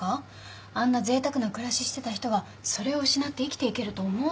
あんなぜいたくな暮らししてた人がそれを失って生きていけると思うの？